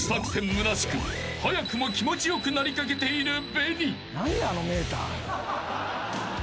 むなしく早くも気持ち良くなりかけているＢＥＮＩ］